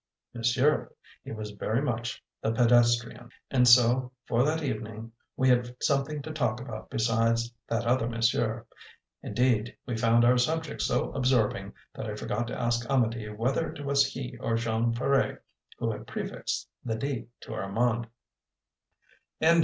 "Monsieur, he was very much the pedestrian." And so, for that evening, we had something to talk about besides "that other monsieur"; indeed, we found our subject so absorbing that I forgot to ask Amedee whether it was he or Jean Ferret who had prefixed the "de" to "Armand."